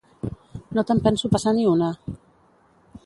No te'n penso passar ni una!